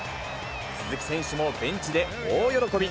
鈴木選手もベンチで大喜び。